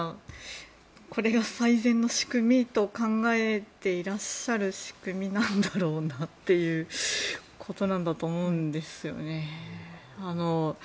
これが最善の仕組みと考えていらっしゃる仕組みなんだろうなということなんだと思うんですよね。